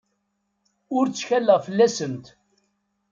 Ur ttkaleɣ fell-asent.